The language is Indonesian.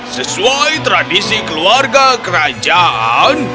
sesuai tradisi keluarga kerajaan